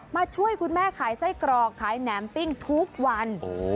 ช่วยคุณแม่ขายไส้กรอกขายแหนมปิ้งทุกวัน